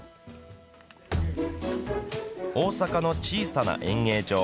大阪の小さな演芸場。